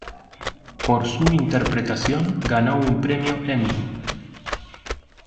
Por su interpretación ganó un premio Emmy.